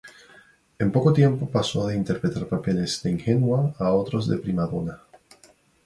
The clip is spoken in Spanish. En poco tiempo pasó de interpretar papeles de "ingenua" a otros de "prima donna".